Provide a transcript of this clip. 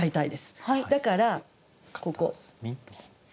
だからここ。